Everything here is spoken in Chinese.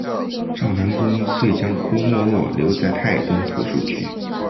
赵南公遂将郭沫若留在泰东图书局。